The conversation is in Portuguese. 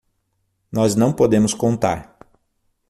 Nós não podemos contar.